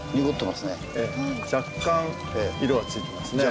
若干色がついてますね。